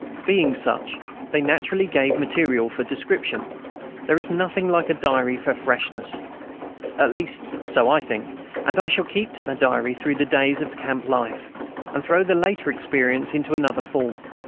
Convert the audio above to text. Being such, they naturally gave material for description. There is nothing like a diary for freshness, at least so I think, and I shall keep to the diary through the days of camp life, and throw the later experience into another form.